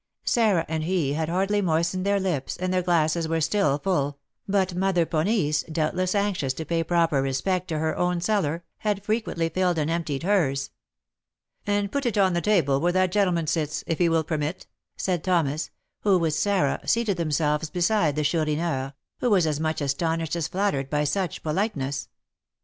Sarah and he had hardly moistened their lips, and their glasses were still full; but Mother Ponisse, doubtless anxious to pay proper respect to her own cellar, had frequently filled and emptied hers. "And put it on the table where that gentleman sits, if he will permit," added Thomas, who, with Sarah, seated themselves beside the Chourineur, who was as much astonished as flattered by such politeness.